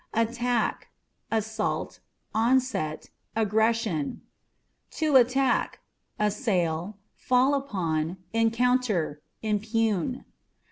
Attack â€" assault, onset, aggression. To Attack â€" assail, fall upon, encounter ; impugn.